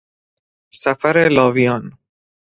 سفر لاویان